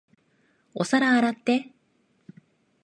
お皿洗って。